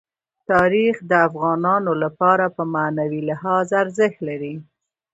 تاریخ د افغانانو لپاره په معنوي لحاظ ارزښت لري.